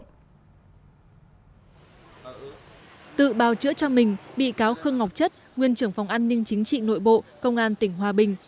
trong phần tự bảo chữa cho mình bị cáo khương ngọc chất nguyên trưởng phòng an ninh chính trị nội bộ công an tỉnh hòa bình